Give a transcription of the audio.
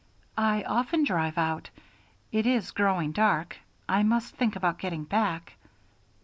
"I often drive out. It is growing dark. I must think about getting back."